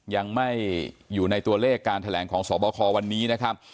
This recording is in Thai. ยังไม่อยู่ในตัวเลขการแถลงของสบควันนี้นะครับ